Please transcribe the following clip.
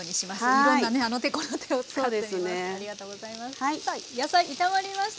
ありがとうございます。